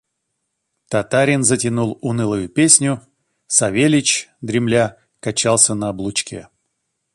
Татарин затянул унылую песню; Савельич, дремля, качался на облучке.